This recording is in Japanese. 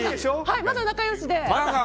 まだ仲良しで。